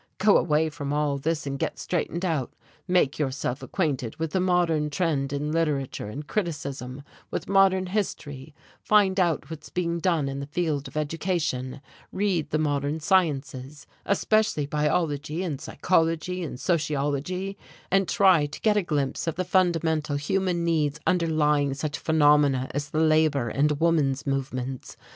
Go away from all this and get straightened out, make yourself acquainted with the modern trend in literature and criticism, with modern history, find out what's being done in the field of education, read the modern sciences, especially biology, and psychology and sociology, and try to get a glimpse of the fundamental human needs underlying such phenomena as the labour and woman's movements.